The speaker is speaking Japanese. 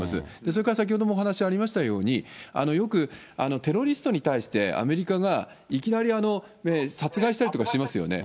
それから先ほどもお話ありましたように、よくテロリストに対して、アメリカがいきなり殺害したりとかしますよね。